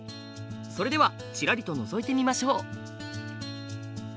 それではちらりとのぞいてみましょう。